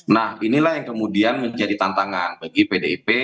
nah inilah yang kemudian menjadi tantangan bagi pdip